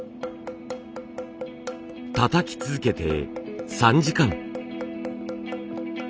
たたき続けて３時間。